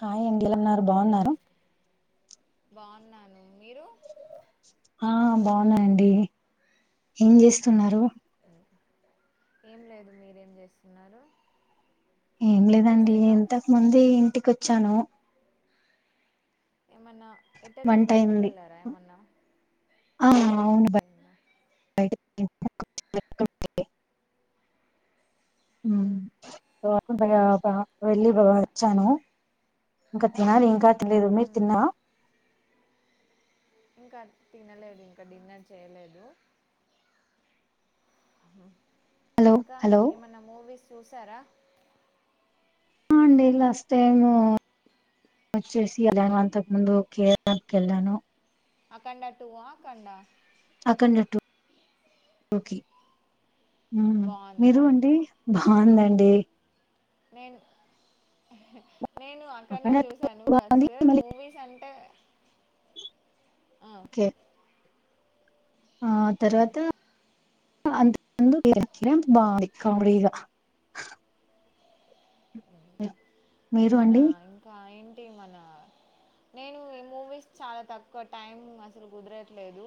హాయండ్ ఎలఉన్నారు బాగున్నారా బాన్న అండి మీరు ఆ బాగున్నానండి ఏం జేస్తున్నారు ఏం లేదు మీరేం జేస్తున్నారు ఏం లేదండి ఇంతక ముందే ఇంటికోచ్చాను. ఏమన్నా ఎట్టెళ్లరు వంట అయింది బైటికేళ్ళారా ఏమన్నా ఆ వైన్ అవును బై టైంలో [inaudible] ఉమ్, మ్మ్ [unintelligible] వెళ్లి ఏమ వాచ్చాను ఇంక తినాలి ఇంకా తినలేదు మీర్ ఉమ్, తిన్నా ఇంకా తినలేదు ఇంకా డిన్నర్ చేయలేదు. ఆహా హలో ఇంకా హలో ఏమన్న మూవీస్ చూసారా అ అండి లాస్ట్ టైము వచ్చేసి ఎలానో అంతకు ముందు కేరళ కెళ్ళాను అఖండ టు ఆ అఖండ్ అఖండ టు కి మ్మ్ బాగుందా మీరు అండి బాందండి నేన్ ఎహ్ నేను అఖండ అక్కడ చూసాను బాగుంది ఫస్ట్ మూవీస్ అంటే ఆ, ఒకే ఆ తర్వాత [inaudible] బావుంది కామ్డీగా మీరు మన అండి ఇంకా ఏంటి మన నేను ఈ మూవీస్ చాలా తక్కువ టైం అసలు గుదరట్లేదు.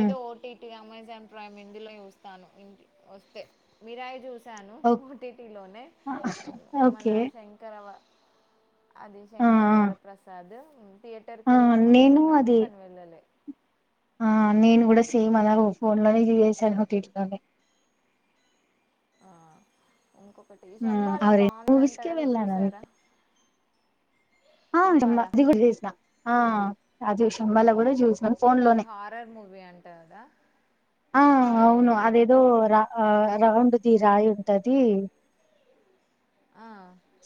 ఏదో ఓటిటిగా అమెజాన్ ప్రైమ్ హిందీ లో చూస్తాను. ఒస్తే మిరాయి చూస్ సాను ఓ ఓటీటీలోనే మన ఓకే శంకరవ అది ఆ శంకరవరప్రసాద్ థియేటర్ ఆ కెళ్దాం. నేను అనుకున్నాము అది కానివెళ్ళలే ఆ నేను కూడా సేమ్ అలానే ఫోన్ లోనే చూసేసాను ఓటిటిలోనే ఆ ఇంకొకటి ఉమ్, ఆ శంబాలా రెండు మూవీస్ బాగుందంట కే కదా వెళ్ళాను చూసారా అంతే ఆ మ శంబాల అది గూడ చూస్న ఆ అది చూస్న మల్ల గూడ అది హారర్ మూవీ అంటార్ ఆ అవును అదేదో రా ఆ రౌండ్ ది రాయుంటది. ఆ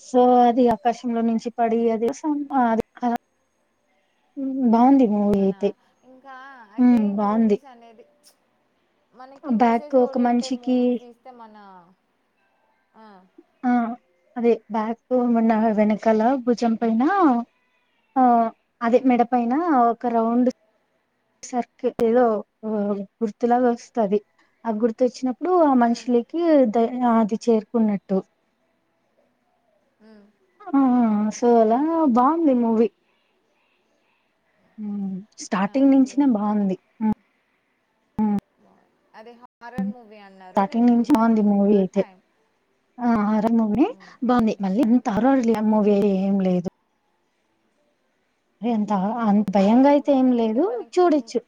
సో అది ఆకాశంలో నుంచి పడి అది సౌండ్ మన ఇంకా అయితే ఉమ్, బాగుంది మూవీస్ అనేది మనకి బ్యాక్ మెసేజ్ ఒక ఓరియంటెడ్ మనిషికి మూవీస్ తీస్తే మనా అది బ్యాక్ మన వెనకాల భుజం పైన ఆ అదే ఉమ్ మెడ పైన ఒక రౌండ్ సర్కిల్ ఏదో గుర్తులాగా వస్తాది ఆ గుర్తోచినపుడ్ అప్పుడా ఉమ్ మనుషులకి ద అది చేరుకున్నట్టు ఉమ్ ఆ సో అలా బావుంది మూవీ మన స్టార్టింగ్ ఇదేంటి మన నుంచినెబాగుంది. ఆ అదే హారర్ మూవీ అన్నారు నేను నుంచి చూద్దాం బాగుంది అనుకున్న టైం రర్ మూవీ ఉమ్ బాగుంది మనకి మళ్ళీ మూ- అంత హారర్ మూవీ అయితే ఎమ్ లేదు ఎ అంత అంత ఒకటి భయంగ అయితే ఆ, ఏం ఏంటి లేదు మనకి చూడచ్చు.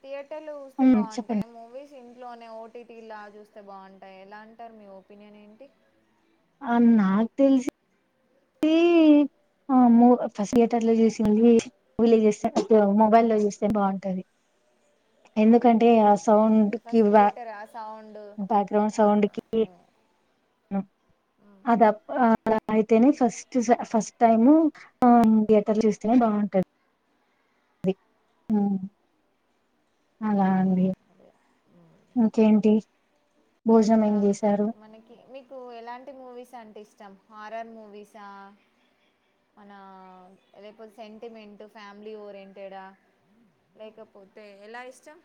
థియేటర్లో చూస్తే చెప్పండి బాగుంటాయ మూవీస్ ఇన్ ఇంట్లోనే ఓటీటీలా చూస్తే బాగుంటాయి ఎలా అంటారు. మీ ఒపీనియన్ ఏంటి అ నాక్ తెలిసి ఆ మూ ఫస్ట్ థియేటర్లో చూసినవీ మొబైల్లో చూస్తే బాగుంటది ఎందుకంటే ఆ అంతే సౌండ్ కి ఫస్ట్ వా థియేటర్ ఆ సౌండ్ బ్యాక్ గ్రౌండ్ ఆ, సౌండ్ కి ఉమ్. అదప్ అలా అయితేనే ఫస్ట్ ఫస్టైము ఆ థియేటర్ చూస్తేనే బాగుంటది. అది అలా అండి. ఇంకేంటి ఇంకా భోజనాలేం చేసారు. మనకి మీకు ఎలాంటి మూవీస్ అంటే ఇష్టం హారర్ మూవీసా మనా లేక్పోతే సెంటిమెంట్ ఫ్యామిలీ ఓరియంటెడా లేకపోతే ఎలా ఇష్టం.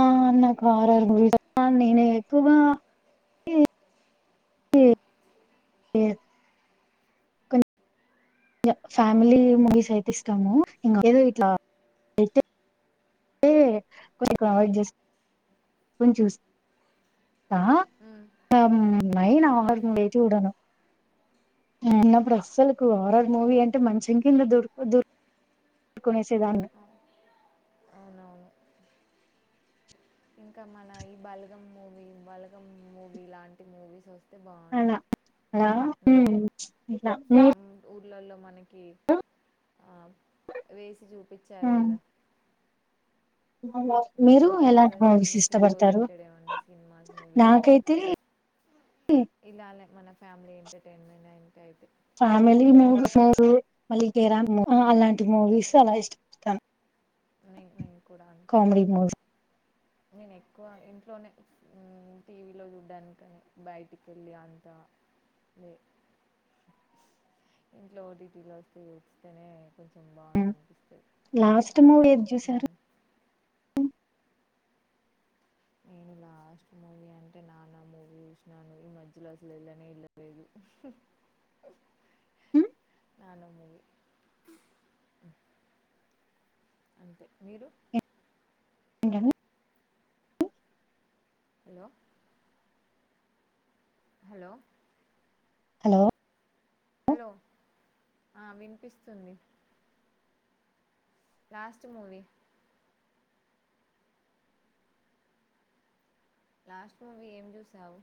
ఆ నాక్ హారర్ మూవీస్ నేనెక్కువా ఉ ఏ ఫ్యామిలీ మూవీస్ అయితే ఇష్టము. ఇం ఏదో ఇట్లా అయితే ఏ [unintelligible] ఆ ఉమ్, ఉమ్. [unintelligible] చిన్నప్పుడస్సలుకు హారర్ మూవీ అంటే మంచం కింద దూరిపో దూర్ కునేసేదాన్ని అవునవును ఇంకా మన ఈ బల్గం మూవీ బలగం మూవీ లాంటి మూవీస్ వస్ ఒస్తే అలా బాగుంటాయ్ అలా మ్ ఇట్లా మీరు చినం ఉ లల్లో మనకి అ వేసి చూపించారు కదా ఉమ్ మీరు అలా ఎలాంటి మూవీస్ మెసేజ్ ఇష్టపడతారు ఓరియంటెడ్ ఏమన్నా సినిమాస్ మూవీస్ అయితే నాకైతే ఇలానే మన ఫ్యామిలీ ఎంటర్టైన్మెంట్ అంతే అయితే ఫ్యామిలీ మూవీస్ మళ్ళీరా కే రాంప్ ఉమ్, అలాంటి మూవీస్ అలా ఇష్టపడతాను. నేను నేను కూడా అంతే కామెడీ మూవీస్ ఎక్కువ ఇంట్లోనే ఉమ్ టీవీలో చూడ్డానికి బయటికెళ్ళి అంతా మ్ ఇంట్లో ఓటీటీలో వస్తే చుస్తేనే కొంచెం బాగుందనిపిస్తది లాస్ట్ మూవీ ఏది చూసారు ఏనులా లాస్ట్ మూవీ అంటే నాన్న మూవీ చూసినా అండి ఈ మధ్యలో అసలు వెళ్ళనే వెళ్ళలేదు నాన్న మూవీ అంతే మీరు ఏంటండి హలో హలో హలో హలో ఆ వినిపిస్తుంది లాస్ట్ మూవి లాస్ట్ మూవీ ఏం చూసావు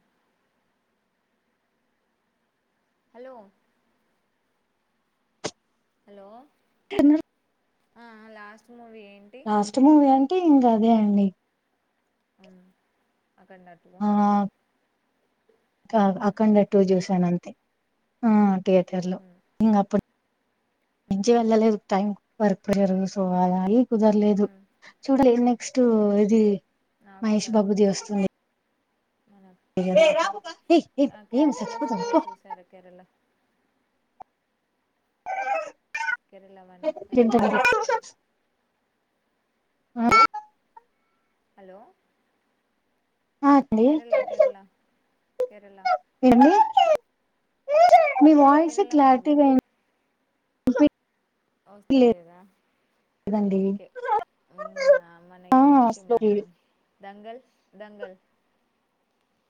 హలో హలో కన్న డ్ ఆ ఆ లాస్ట్ మూవీ ఎం లాస్ట్ మూవీ అంటే ఇంగ అదే అండి అవునా ఆ కద్ అఖండటూ చూసానంతే థియేటర్ లో ఇంగ అప్పుడ్ నుంచి వెళ్ళలేదు టైం వర్క్ సో [unintelligible] కుదరలేదు చూడలి నెక్స్ట్ ఇది నాకు కూడా మహేష్ బాబుది వస్తుంది మన ఏ ఏమ్ కేరళ సప్పుడది స్టోరీ చూసారా కేరళ కేరళ వన్ ఏంటండీ కేరళ టూ హలో ఆ కేరళ అండీఏ మండి కేరళ కేరళ మీ వాయిసే కేరళ మూవీ క్లారిటీగ ఒస్తలేదా ఓకే ఇంగ ఆ మన ఇది ఏంటి మన దంగల్ దంగల్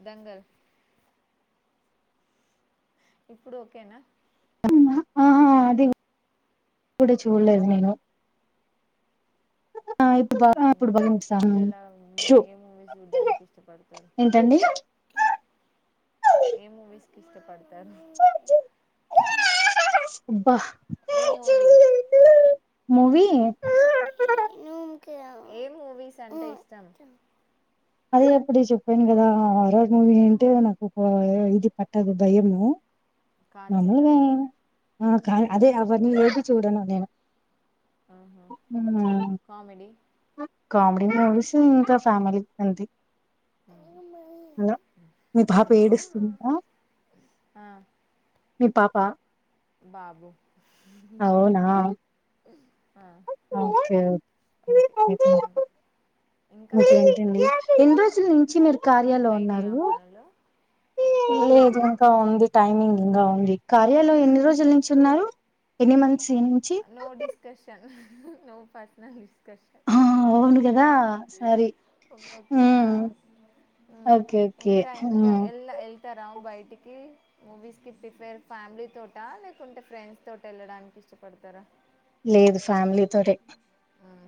దంగల్ ఇప్పుడు ఓకేనా ఆ అ అది కు కూడ చూడలేదు నేను ఆ ఇప్పుడు బా ఇప్పుడు బా ఇంకా మీరు ఎలా మూవి షో ఏ మూవీస్ చూడ్డానికి ఇష్టపడుతరు ఏంటండి ఏ మూవిస్కి ఇష్టపడుత్ టర్ అబ్బా ఏ మూవీ మూవీ ఏ మూవీస్ అంటే ఇష్టం అదే అప్పుడు చెప్పాను కదా హరర్ మూవీ అంటే నాకు ఇది పట్టదు భయము. కాంచనా మాములుగా ఆ కా అదే అవిఅన్నీ చూడన నేను ఆహా మ్మ్. కామెడి కామెడీ మూవీస్, ఇంకా ఫ్యామిలీ అంతే అలో మీ పాప ఏడుస్తుందా? మీ పాపా బాబు అవునా ఆ ఓకే ఓకే ఒ అవును ఇంకా ఓకేేంటండి ఎన్నిడ్రోజుల్నుంచి మీరు కార్యాలో అయినయా ఉన్నారు పనులు లేదు ఇంకా ఉంది టైమింగ్ ఇంగా ఉంది కార్యలో ఎన్ని రోజుల నుంచి ఉన్నారు ఎన్ని మన్ సి నుంచి no discussion no personal discussion ఆ అవును గదా సారీ ఓకే ఆ ఉమ్ ఉ ఓకే ఓకే ఇంకా ఇంకా ఉమ్ ఎల్ ఏళ్తారా బయ ఇటికి మూవీస్ కి ప్రిఫేర్ ఫ్యామిలీ తోట లేకుంటే ఫ్రెండ్స్ తోటేళ్ళడానికి ఇష్ట పడ్తారా లేదు ఫ్యామిలీ తోటే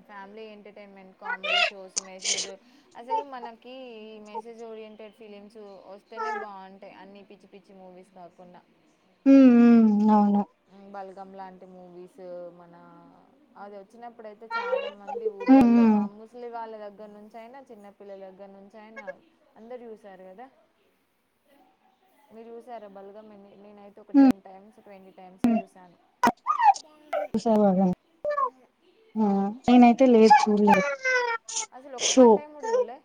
family entertainment, comedy shows message అసలు మనకి మెసేజ్ ఓరియంటెడ్ ఫిలిమ్స్ వస్తేనే బాగుంటాయి. అన్ని పిచ్చి పిచ్చి మూవీస్ కాకుండా హుహు అవ్ను బల్గమ్ లాంటి మూవీస్ మన అదో వచ్చినప్పుడయితే చాలా మంది ఉమ్ ఊర్లలో ఉమ్ ఆ ముస్లి వాళ్ళ దగ్గర దగ్గర నుంచి అయినా, చిన్నపిల్లల దగ్గరుంచైనా అందరు చూశారు కదా. మీరు చూసర బల్గాం నేనైతే ఒక ఉమ్ టెన్ టైమ్స్, ట్వంటీ టైమ్స్ చూశాను. చుసామల్లా ఆ అవును. నేనైతే లేదు చూడలేదు అసలు ఒక షో వన్ టైమ్ గూడా జూడలే?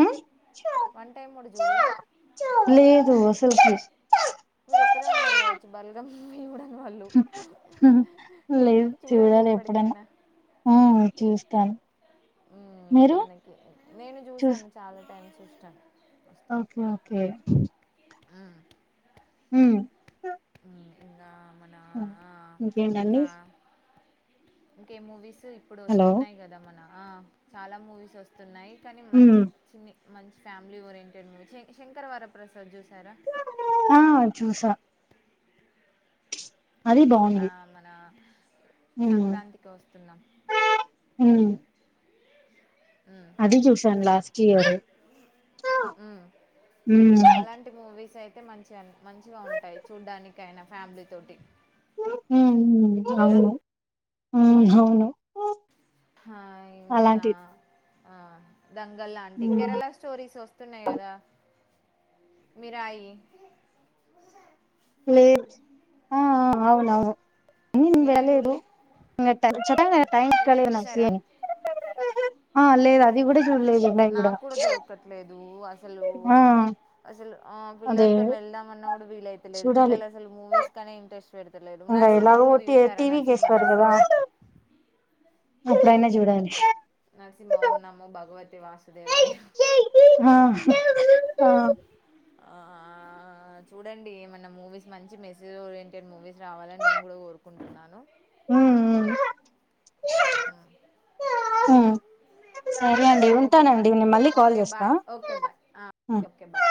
మ్ వన్ టైమ్ గూడా జూడలే? లేదు అసలుకి అ మీరు ఒక్కరే ఉన్నారు కావచ్చు బల్గమ్ యూడన్వాళ్ళు లేదు చూడాలి ఎప్పుడైనా ఉ చూస్తాం. ఉమ్ మనకి నేను చూసాను చాలా టైమ్స్ ఇష్టం. ఆహా ఓకే ఓకే హ్మ్ హు హ్మ్ ఇంగా మన అ ఆ ఇంకేంటండీ? ఇంకా ఇంకే మూవీస్ ఇప్పుడు హలో వస్తున్నాయ్ కదా మన ఆ చాలా మూవీసోస్తున్నాయి. కానీ మంచి ఉమ్ చిన్ని మంచి ఫ్యామిలీ ఓరియంటెడ్ శంకరవరప్రసాద్ చూసి ఆ చూసా అది మ్ ఆ బాగుంది మన ఉమ్ సంక్రాంతికోస్తున్నాం. ఉమ్ అది చూసాను లాస్టీయరు హ్మ్ ఉమ్ అలాంటి మూవీస్ అయితే మంచిగా మంచిగా ఉంటాయి చూడ్డానికి అయినా ఫ్యామ్లీతోటి. హు అవ్ను హు అవ్ను హా ఇది మన ఆ దంగల్ లాంటి, ఉమ్ కేరళ స్టోరీస్ ఓస్తున్నాయి కదా. మీరాయి లేద్ ఆ అవునవును ఉ నేన్ మిరాయి వెళ్ళేదు చూడలే చప్ప టైమ్ మిరాయి నచ్చలే నాకి చూసారా ఆ లేదు అది కూడా చూడలేదు ఇంకా ఇప్పుడు హలో అసలు ఆ అదే పిల్లలతో వెళ్దామన్నా కూడా వీలైతలేదు. చూడాలి పిల్లలు అసలు మూవీస్ కనే ఇంట్రెస్ట్ పెడతలేదు. నర్సింహమూ టే టీవికేస్తరు కద అప్పుడైనా చూడాలి. నర్సింహ ఓం నమో భగవతి వాసుదేవాయ ఆ ఆ ఆ ఆ ఆ చూడండి ఏమన్నా మూవీస్ మంచి మెసేజ్ ఓరియంటెడ్ మూవీస్ రావాలని నేను కూడా కోరుకుంటున్నాను ఉ ఉ ఆ సరేనా ఉమ్ సరే అండి ఓకే నా ఉంటానండి నేను మళ్ళీ కాల్ ఓకే చేస్తా bye okay bye okay okay bye ఉమ్